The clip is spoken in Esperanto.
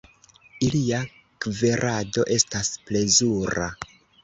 Ilia kverado estas plezura.